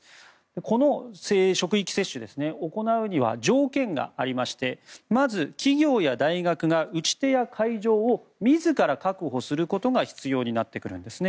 この職域接種を行うには条件がありましてまず、企業や大学が打ち手や会場を自ら確保することが必要になってくるんですね。